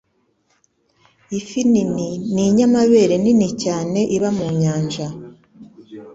Ifi nini ninyamabere nini cyane iba mu nyanja.